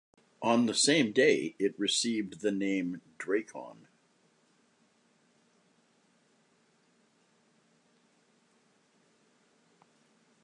On the same day it received the name "Drakon".